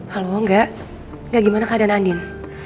halo enggak enggak gimana keadaan andien